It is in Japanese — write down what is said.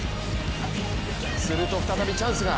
すると再びチャンスが。